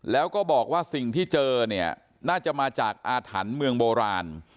แล้วก็บอกว่าสิ่งที่เจอเนี่ยน่าจะมาจากอาถรรพ์เมืองโบราณ